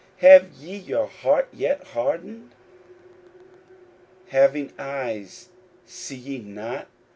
have ye your heart yet hardened? 41:008:018 Having eyes, see ye not?